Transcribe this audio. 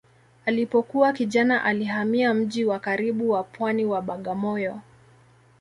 Alipokuwa kijana alihamia mji wa karibu wa pwani wa Bagamoyo.